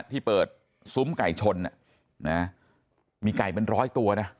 ที่เปิดซุ้มไก่ชนมีไก่เป็นร้อยตัวนะ